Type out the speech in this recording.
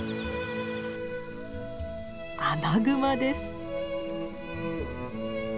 アナグマです。